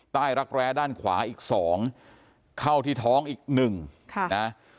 รักแร้ด้านขวาอีกสองเข้าที่ท้องอีกหนึ่งค่ะนะ